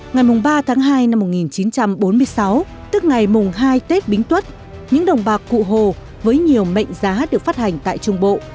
ngày ba tháng hai năm một nghìn chín trăm bốn mươi sáu tức ngày mùng hai tết bính tuất những đồng bạc cụ hồ với nhiều mệnh giá được phát hành tại trung bộ